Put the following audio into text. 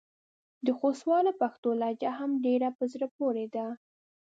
د خوستوالو پښتو لهجې هم ډېرې په زړه پورې دي.